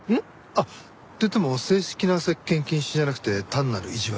あっといっても正式な接見禁止じゃなくて単なる意地悪。